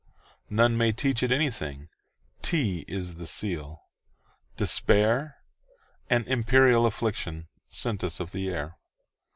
None may teach it anything,'T is the seal, despair,—An imperial afflictionSent us of the air.